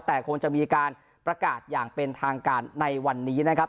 แต่คงจะมีการประกาศอย่างเป็นทางการในวันนี้นะครับ